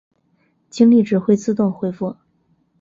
精力值会自动恢复。